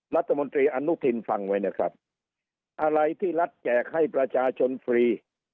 รัฐมนตรีอนุทินฟังไว้นะครับอะไรที่รัฐแจกให้ประชาชนฟรี